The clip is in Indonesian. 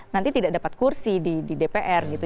nanti tidak dapat kursi di dpr gitu